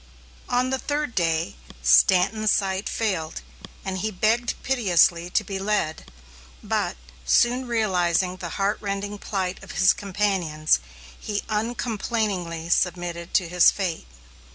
On the third day, Stanton's sight failed, and he begged piteously to be led; but, soon realizing the heart rending plight of his companions, he uncomplainingly submitted to his fate.